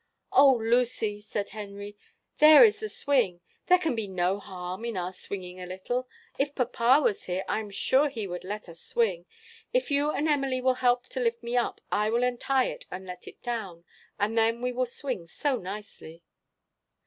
"Oh, Lucy!" said Henry, "there is the swing. There can be no harm in our swinging a little. If papa was here, I am sure he would let us swing. If you and Emily will help to lift me up, I will untie it and let it down, and then we will swing so nicely."